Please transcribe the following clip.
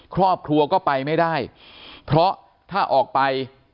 ครอบครัวก็ไปไม่ได้เพราะถ้าออกไป